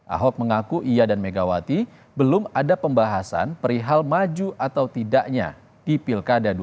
ahok mengaku ia dan megawati belum ada pembahasan perihal maju atau tidaknya di pilkada dua ribu dua puluh